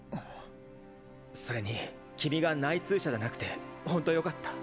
それに君が内通者じゃなくてほんとよかった。